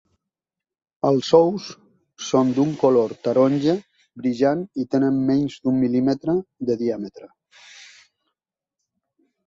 Els ous són d'un color taronja brillant i tenen menys d'un mil·límetre de diàmetre.